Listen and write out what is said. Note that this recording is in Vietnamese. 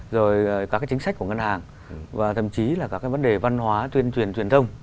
rồi các cái chính sách của ngân hàng và thậm chí là các cái vấn đề văn hóa tuyên truyền truyền thông